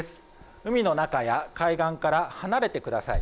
海の中や海岸から離れてください。